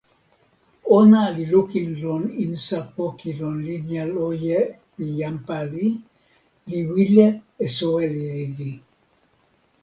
ona li lukin lon insa poki lon linja loje pi jan pali, li wile e soweli lili.